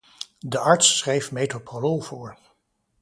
De arts schreef metoprolol voor.